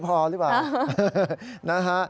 พอหรือเปล่า